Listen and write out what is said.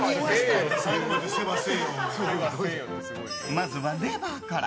まずはレバーから。